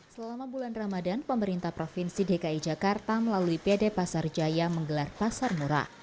selama bulan ramadan pemerintah provinsi dki jakarta melalui pd pasar jaya menggelar pasar murah